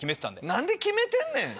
何で決めてんねん！